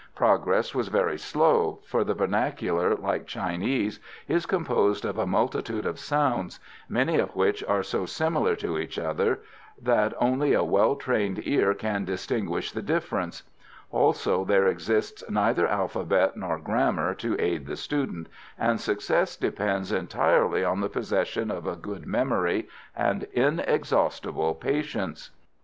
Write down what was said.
Progress was very slow, for the vernacular, like Chinese, is composed of a multitude of sounds, many of which are so similar to each other that only a well trained ear can distinguish the difference; also, there exists neither alphabet nor grammar to aid the student, and success depends entirely on the possession of a good memory, and inexhaustible patience.